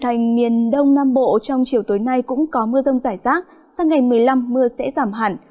thành miền đông nam bộ trong chiều tối nay cũng có mưa rông rải rác sang ngày một mươi năm mưa sẽ giảm hẳn